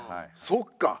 そっか！